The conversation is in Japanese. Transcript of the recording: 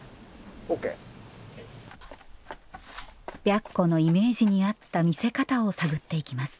白虎のイメージに合った見せ方を探っていきます